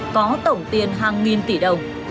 có tổng tiền hàng nghìn tỷ đồng